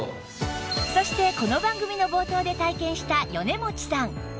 そしてこの番組の冒頭で体験した米持さん